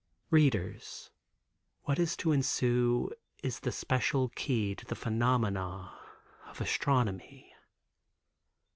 Readers, what is to ensue, is the special key to the phenomena of Astronomy.